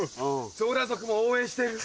ゾーラ族も応援してる。